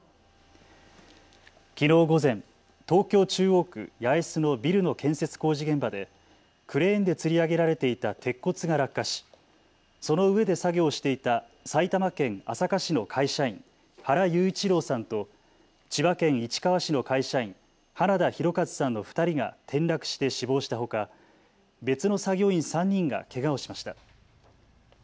きのう午前、東京中央区八重洲のビルの建設工事現場でクレーンでつり上げられていた鉄骨が落下しその上で作業をしていた埼玉県朝霞市の会社員、原裕一郎さんと千葉県市川市の会社員、花田大和さんの２人が転落して死亡したほか別の作業員３人がけがをしました。